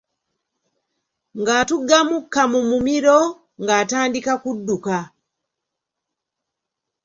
Ng’atugga mukka mu mumiro ng’atandika kudduka.